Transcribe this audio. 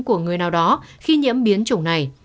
của người nào đó khi nhiễm biến chủng này